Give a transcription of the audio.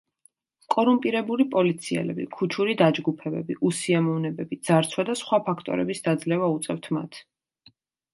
კორუმპირებული პოლიციელები, ქუჩური დაჯგუფებები, უსიამოვნებები, ძარცვა და სხვა ფაქტორების დაძლევა უწევთ მათ.